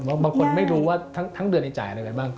บางคนไม่รู้ว่าทั้งเดือนในจ่ายอะไรกันบ้าง